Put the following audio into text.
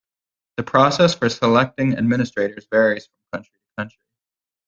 The process for selecting Administrators varies from country to country.